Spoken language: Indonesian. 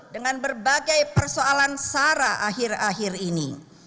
dengan berbagai persoalan sarah akhir akhir ini